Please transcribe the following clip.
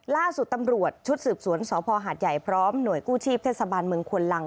ล่าสุดตำรวจชุดสืบสวนสพหาดใหญ่พร้อมหน่วยกู้ชีพเทศบาลเมืองควนลัง